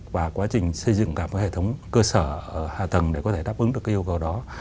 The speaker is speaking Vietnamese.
và quá trình xây dựng cả một hệ thống cơ sở hạ tầng để có thể đáp ứng được cái yêu cầu đó